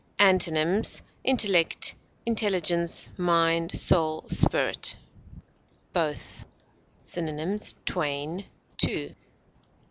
Antonyms: intellect, intelligence, mind, soul, spirit. BOTH. Synonyms: twain, two.